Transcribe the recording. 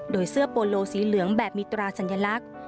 โดยเสื้อโปโลสีเหลืองแบบมีตราสัญลักษณ์